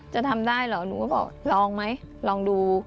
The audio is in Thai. จะทำได้เหรอหนูก็บอกลองไหมลองดู